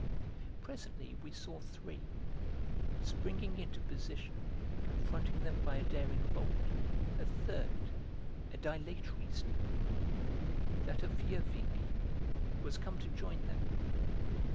Presently we saw three: springing into position confronting them by a daring volt, a third, a dilatory steeple, that of Vieuxvicq, was come to join them.